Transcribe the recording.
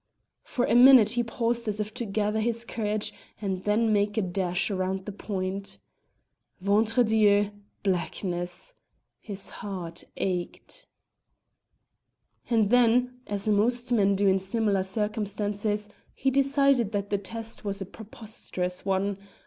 For a minute he paused as if to gather his courage and then make a dash round the point. Ventre Dieu! Blackness! His heart ached. And then, as most men do in similar circumstances, he decided that the test was a preposterous one.